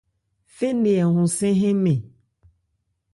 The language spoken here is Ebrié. Fé nne hɛ hɔnsɛ́n hɛ́nmɛn.